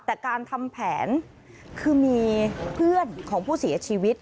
แต่การทำแผนคือมีเพื่อนของผู้เสียชีวิต